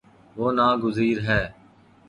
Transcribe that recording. وہ نا گزیر ہے